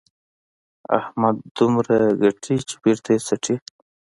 احمد دومره ګټي چې بېرته یې څټي.